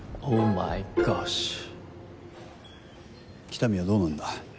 喜多見はどうなんだ？